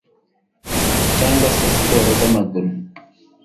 cyangwa se siporo zamaguru